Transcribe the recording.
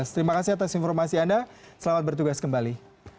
terima kasih atas informasi anda selamat bertugas kembali